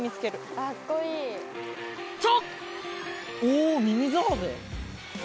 お！